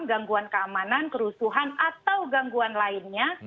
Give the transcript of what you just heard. gangguan keamanan kerusuhan atau gangguan lainnya